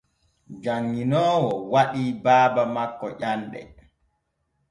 Janŋinoowo waɗi baaba makko ƴanɗe.